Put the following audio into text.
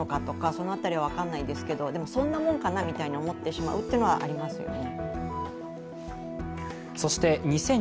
その辺りは分からないけど、そんなもんかなと思ってしまうのはありますよね。